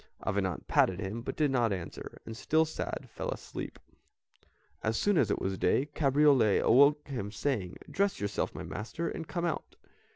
Avenant patted him, but did not answer, and, still sad, fell asleep. As soon as it was day, Cabriole awoke him saying, "Dress yourself, my master, and come out."